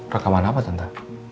rekaman apa tante